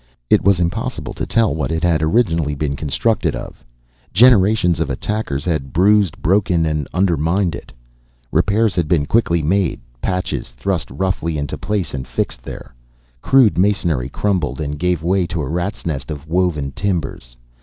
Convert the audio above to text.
It was impossible to tell what it had originally been constructed of. Generations of attackers had bruised, broken, and undermined it. Repairs had been quickly made, patches thrust roughly into place and fixed there. Crude masonry crumbled and gave way to a rat's nest of woven timbers.